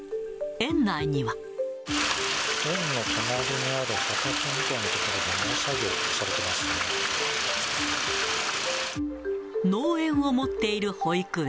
園の隣にある畑みたいな所で農園を持っている保育園。